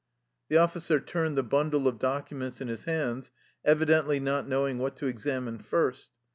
The officer turned the bundle of documents in his hands, evidently not knowing what to exam ine first.